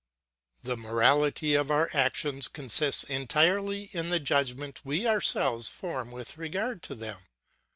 The morality of our actions consists entirely in the judgments we ourselves form with regard to them.